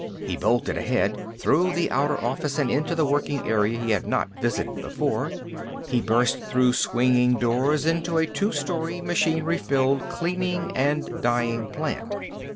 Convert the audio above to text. He bolted ahead, through the outer office and into the working area he had not visited before. He burst through swinging doors into a two story, machinery filled cleaning and dyeing plant.